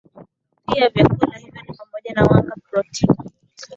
dhi ya vyakula hivyo ni pamoja na wanga protini